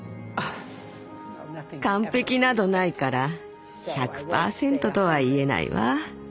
完璧などないから１００％とは言えないわ。